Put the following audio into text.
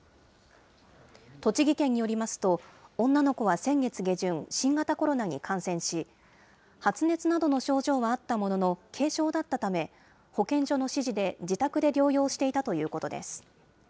栃木県によりますと、女の子は先月下旬、新型コロナに感染し、発熱などの症状はあったものの、軽症だったため、保健所の指示で、自宅で療養していたということです。